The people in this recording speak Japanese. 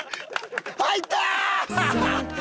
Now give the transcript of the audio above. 入ったー！